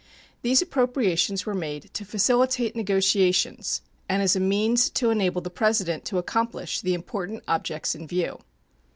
These appropriations were made to facilitate negotiations and as a means to enable the President to accomplish the important objects in view.